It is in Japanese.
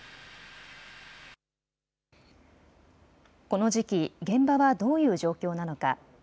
この時期、現場はどういう状況なのか。